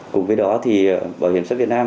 cùng với đó thì bảo hiểm xã hội việt nam